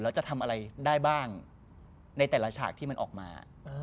แล้วจะทำอะไรได้บ้างในแต่ละฉากที่มันออกมา